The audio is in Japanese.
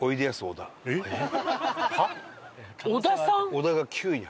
小田が９位に。